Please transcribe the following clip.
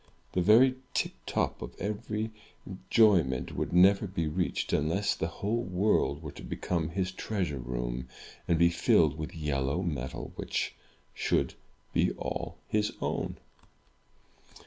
The very tiptop of enjoy ment would never be reached, unless the whole world were to become his treasure room, and be filled with yellow metal which should be all his own.